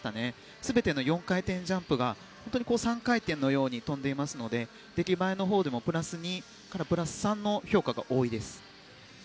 全ての４回転ジャンプが３回転のように跳んでいますので出来栄えのほうでもプラス２からプラス３の評価が多いです。